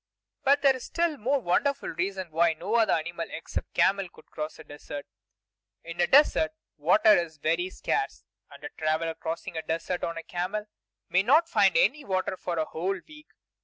But there is a still more wonderful reason why no other animal, except a camel, could cross a desert. In a desert water is very scarce, and a traveler crossing a desert on a camel may not find any water for a whole week.